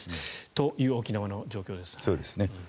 そういう沖縄の状況ですが。